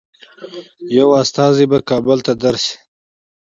یو هیات به کابل ته درسي.